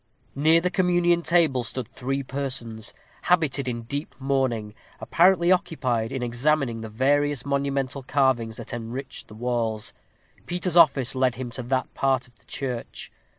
Near the communion table stood three persons, habited in deep mourning, apparently occupied in examining the various monumental carvings that enriched the walls. Peter's office led him to that part of the church.